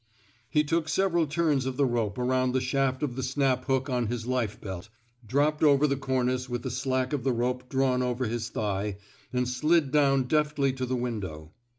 He took several turns of the rope around the shaft of the snap hook on his life bdt, dropped over the cornice with the slack of the rope drawn over his thigh, and slid down deftly to the window.